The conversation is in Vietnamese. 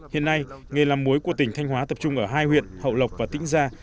hiện nay nghề làm muối của tỉnh thanh hóa tập trung ở hai huyện hậu lộc và tĩnh gia